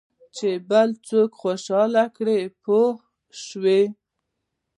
چې بل څوک خوشاله کړې پوه شوې!.